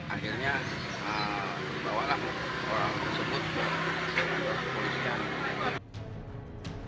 akhirnya dibawalah orang tersebut ke polisian